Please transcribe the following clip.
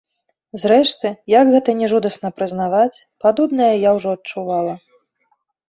Зрэшты, як гэта ні жудасна прызнаваць, падобнае я ўжо адчувала.